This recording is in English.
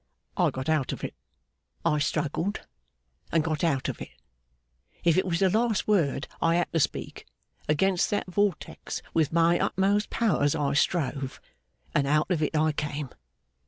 I got out of it. I struggled, and got out of it. If it was the last word I had to speak, against that vortex with my utmost powers I strove, and out of it I came.